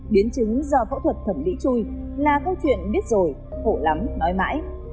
biến chứng do phẫu thuật thẩm mỹ chui là câu chuyện biết rồi khổ lắm nói mãi